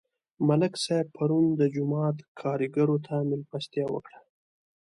ملک صاحب پرون د جومات کارګرو ته مېلمستیا وکړه.